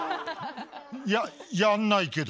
いややんないけど。